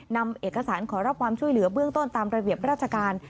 นำเอกสารขอรับความช่วยเหลือเบื้องต้นตามระเบียบราชการ